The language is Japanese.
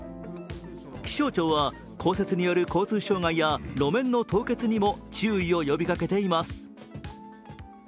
気象庁は降雪による交通障害や路面の凍結にも注意を呼びかけています。